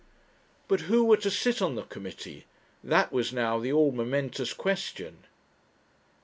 But who were to sit on the committee? That was now the all momentous question.